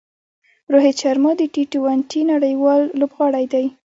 روهیت شرما د ټي ټوئنټي نړۍوال لوبغاړی دئ.